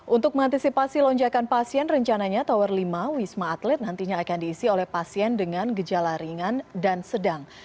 untuk mengantisipasi lonjakan pasien rencananya tower lima wisma atlet nantinya akan diisi oleh pasien dengan gejala ringan dan sedang